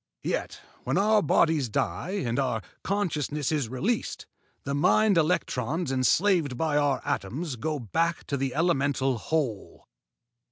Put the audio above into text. Yet when our bodies die and our consciousness is released, the mind electrons enslaved by our atoms go back to the elemental Whole.